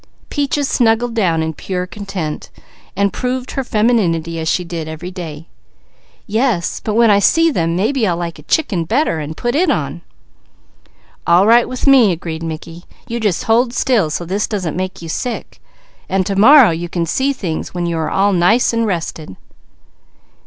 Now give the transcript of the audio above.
Peaches snuggled down in pure content and proved her femininity as she did every day. "Yes. But when I see them, maybe I'll like a chicken better, and put it on." "All right with me," agreed Mickey. "You just hold still so this doesn't make you sick, and to morrow you can see things when you are all nice and rested."